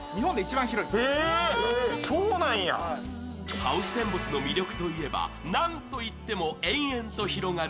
ハウステンボスの魅力といえば、なんといっても延々と広がる